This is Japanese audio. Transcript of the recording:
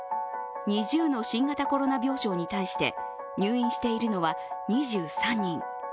２０の新型コロナ病床に対して入院しているのは２３人。